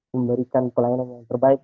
memberikan pelayanan yang terbaik